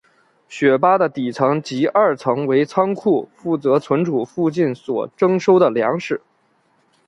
雪巴的底层及二层为仓库负责存储附近所征收的粮食。